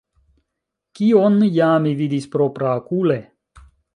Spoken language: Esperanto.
Kion ja mi vidis propraokule?